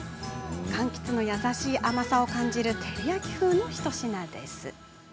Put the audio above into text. かんきつの優しい甘さを感じる照り焼き風の一品です。